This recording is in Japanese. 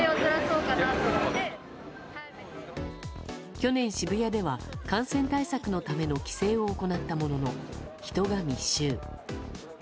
去年、渋谷では感染対策のための規制を行ったものの人が密集。